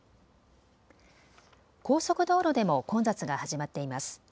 高速道路でも混雑が始まっています。